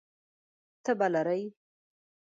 تبه لرئ؟